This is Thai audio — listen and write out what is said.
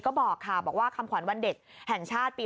ก็บอกค่ะบอกว่าคำขวัญวันเด็กแห่งชาติปี๒๕